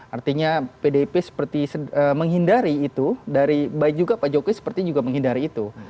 artinya pdip seperti menghindari itu dari baik juga pak jokowi seperti juga menghindari itu